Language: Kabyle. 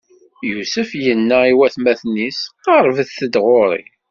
Yusef inna i watmaten-is: Qeṛṛbet-d ɣur-i!